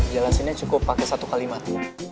jelasinnya cukup pakai satu kalimat